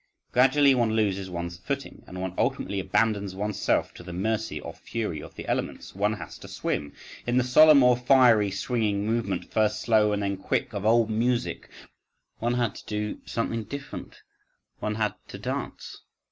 Gradually one loses one's footing and one ultimately abandons oneself to the mercy or fury of the elements: one has to swim. In the solemn, or fiery, swinging movement, first slow and then quick, of old music—one had to do something quite different; one had to dance.